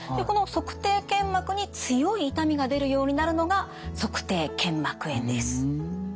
この足底腱膜に強い痛みが出るようになるのが足底腱膜炎です。